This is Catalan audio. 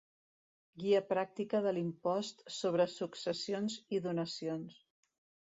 Guia pràctica de l'impost sobre successions i donacions.